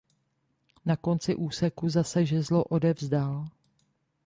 Na konci úseku zase žezlo odevzdal.